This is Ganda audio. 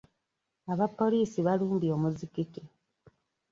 Abapoliisi balumbye omuzikiti.